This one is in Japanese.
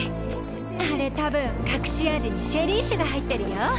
あれたぶん隠し味にシェリー酒が入ってるよ。